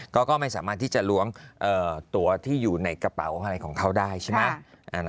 ก็ไม่สามารถที่จะล้วงตัวที่อยู่ในกระเป๋าอะไรของเขาได้ใช่ไหม